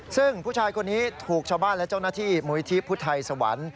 ซึ่งผู้ชายคนนี้ถูกชาวบ้านและเจ้าหน้าที่มุยที่พุทธไทยสวรรค์